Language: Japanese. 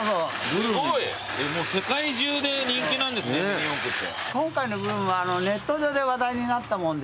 すごい！世界中で人気なんですねミニ四駆って。